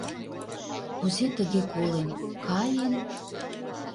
Кузе тыге колен, «каен»?..